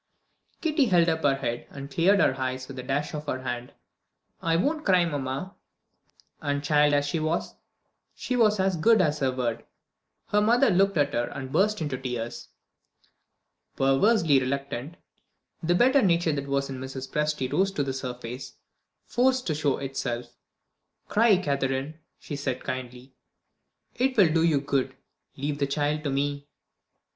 Kitty held up her head, and cleared her eyes with a dash of her hand. "I won't cry, mamma." And child as she was, she was as good as her word. Her mother looked at her and burst into tears. Perversely reluctant, the better nature that was in Mrs. Presty rose to the surface, forced to show itself. "Cry, Catherine," she said kindly; "it will do you good. Leave the child to me."